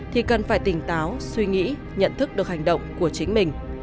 thì cần phải tỉnh táo suy nghĩ nhận thức được hành động của chính mình